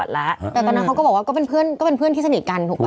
แต่ตอนนั้นเขาก็บอกว่าก็เป็นเพื่อนที่สนิทกันถูกป่ะคะ